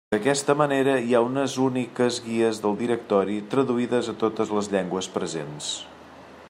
D'aquesta manera hi ha unes úniques guies del directori, traduïdes a totes les llengües presents.